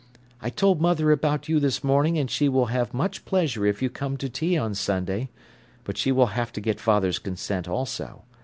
'I told mother about you this morning, and she will have much pleasure if you come to tea on Sunday, but she will have to get father's consent also.